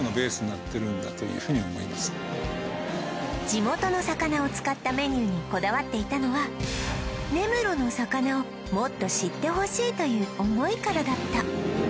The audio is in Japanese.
地元の魚を使ったメニューにこだわっていたのは根室の魚をもっと知ってほしいという思いからだった